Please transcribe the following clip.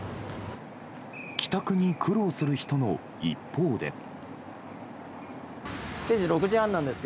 帰宅に苦労する人の一方で。